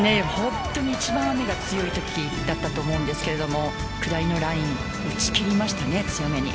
一番雨が強いときだったと思うんですが下りのライン打ち切りましたね、強めに。